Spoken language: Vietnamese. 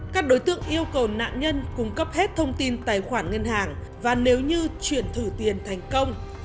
các đối tượng yêu cầu nạn nhân cung cấp hết thông tin tài khoản ngân hàng và nếu như chuyển thử tiền thành công